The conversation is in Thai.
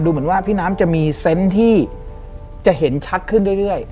เหมือนว่าพี่น้ำจะมีเซนต์ที่จะเห็นชัดขึ้นเรื่อย